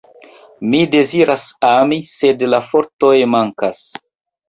Mi deziras ami, sed la fortoj mankas.